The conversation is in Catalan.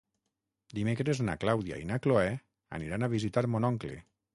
Dimecres na Clàudia i na Cloè aniran a visitar mon oncle.